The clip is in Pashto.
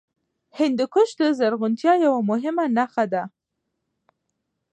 هندوکش د زرغونتیا یوه مهمه نښه ده.